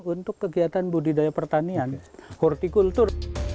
untuk kegiatan budidaya pertanian hortikultur